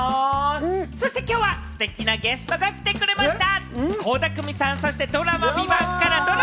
そしてきょうはステキなゲストが来てくれました。